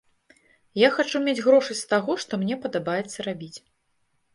Я хачу мець грошы з таго, што мне падабаецца рабіць.